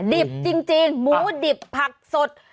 ดิบจริงหมูดิบผักสด